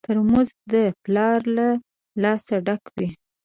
ترموز د پلار له لاسه ډک وي.